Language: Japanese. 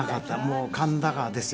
もう『神田川』ですよ。